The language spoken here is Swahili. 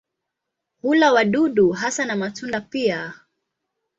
Hula wadudu hasa na matunda pia.